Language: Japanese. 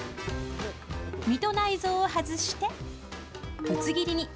身と内臓を外して、ぶつ切りに。